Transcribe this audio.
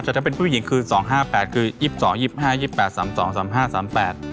แต่ถ้าเป็นผู้หญิงคือสองห้าแปดคือยิบสองยี่สิบห้ายี่แปดสามสองสามห้าสามแปด